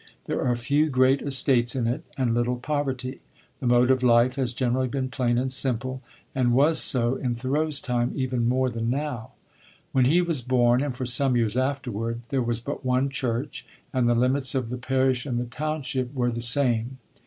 There are few great estates in it, and little poverty; the mode of life has generally been plain and simple, and was so in Thoreau's time even more than now. When he was born, and for some years afterward, there was but one church, and the limits of the parish and the township were the same.